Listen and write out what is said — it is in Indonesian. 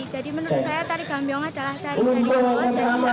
jadi menurut saya tarian gambiong adalah tarian yang di bawah